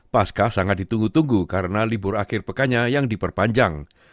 paskah sangat ditunggu tunggu karena libur akhir pekannya yang diperpanjang